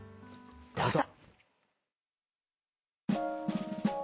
どうぞ。